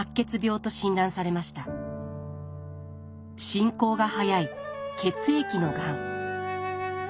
進行が速い血液のがん。